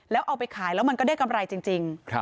แล้วเอาไปขายแล้วมันก็ได้กำไรจริง